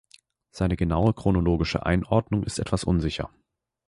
Seine genaue chronologische Einordnung ist etwas unsicher.